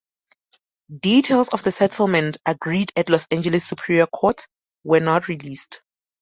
Details of the settlement, agreed at Los Angeles Superior Court, were not released.